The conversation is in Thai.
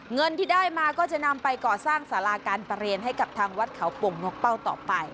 เงินที่ได้มาก็จะนำไปก่อสร้างสาราการประเรียนให้กับทางวัดเขาปงนกเป้าต่อไป